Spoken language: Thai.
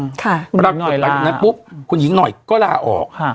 ค่ะคุณหญิงหน่อยลาปุ๊บคุณหญิงหน่อยก็ลาออกค่ะ